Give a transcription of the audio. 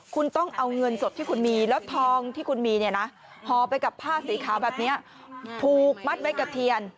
คุณต้องเอาเงินสดที่คุณมีแล้วทองที่คุณมีเนี่ยนะห่อไปกับผ้าสีขาวแบบนี้ผูกมัดไว้กับเทียน